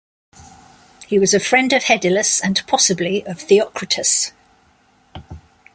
He was a friend of Hedylus and possibly of Theocritus.